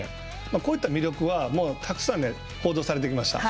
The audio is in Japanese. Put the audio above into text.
こういった魅力はたくさんね、報道されてきました。